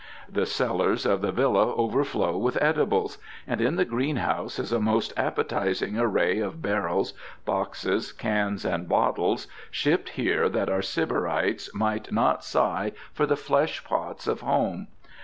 The cellars of the villa overflow with edibles, and in the greenhouse is a most appetizing array of barrels, boxes, cans, and bottles, shipped here that our Sybarites might not sigh for the flesh pots of home.